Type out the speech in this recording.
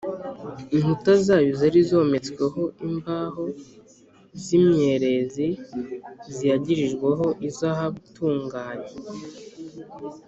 inkuta zayo zari zometsweho imbaho z’imyerezi ziyagirijweho izahabu itunganye.